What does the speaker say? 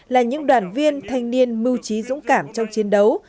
là những đoàn viên thanh niên mưu trí dũng cảm trong chiến đấu